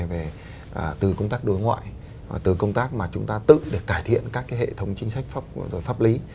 về từ công tác đối ngoại từ công tác mà chúng ta tự để cải thiện các hệ thống chính sách pháp lý